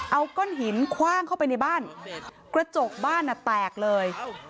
เอาก้อนหินคว่างเข้าไปในบ้านกระจกบ้านแตกเลย